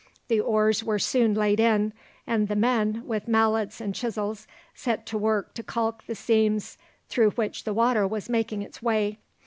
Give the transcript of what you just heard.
The oars were soon laid in, and the men, with mallets and chisels, set to work to caulk the seams through which the water was making its way.